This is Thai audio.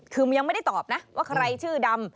คือมันยังไม่ได้ตอบนะว่าใครชื่อดำ